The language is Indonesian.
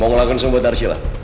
mau ngelakuin semua buat arsila